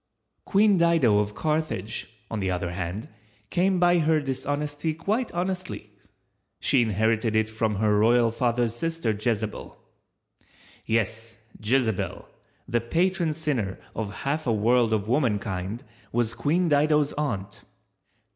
Queen Dido of Carthage, on the other hand, came by her dishonesty quite honestly—she inherited it from her royal father's sister Jezebel. Yes, Jezebel, the patron sinner of half a world of womankind, was Queen Dido's aunt.